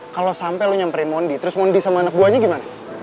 kalo sampe lu nyamperin mondi terus mondi sama anak buahnya gimana